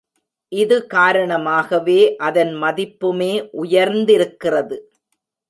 இது காரணமாகவே அதன் மதிப்புமே உயர்ந்திருக்கிறது.